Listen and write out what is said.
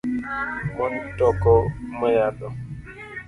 Mon toko mayadho